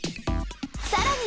さらに！